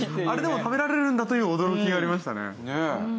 あれでも食べられるんだという驚きがありましたね。